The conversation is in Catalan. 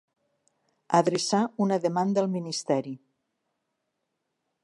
Adreçar una demanda al ministeri.